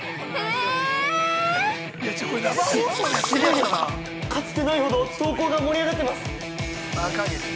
◆す、すごいです、かつてないほど投稿が盛り上がってます！